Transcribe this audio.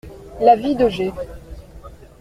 La vie de G.